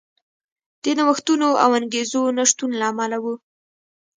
د نوښتونو او انګېزو نشتون له امله و.